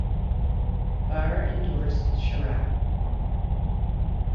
Barre endorsed Chirac.